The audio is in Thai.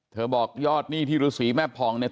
เธอบอกยอดหนี้ที่หรือศรีแม่ผ่องเนี่ย